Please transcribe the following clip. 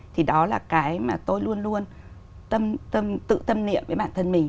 thì đó là cái mà tôi luôn luôn tự tâm niệm với bản thân mình